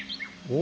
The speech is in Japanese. お！